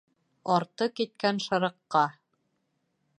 Арты киткән шырыҡҡа.